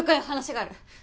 話がある。